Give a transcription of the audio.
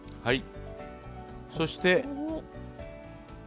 はいそして。